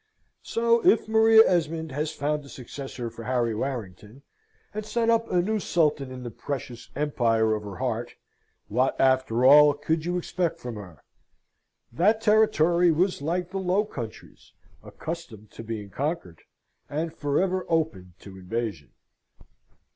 So, if Maria Esmond has found a successor for Harry Warrington, and set up a new sultan in the precious empire of her heart, what, after all, could you expect from her? That territory was like the Low Countries, accustomed to being conquered, and for ever open to invasion.